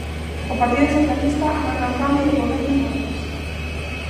O Partido Socialista agarda un cambio de goberno en Ourense.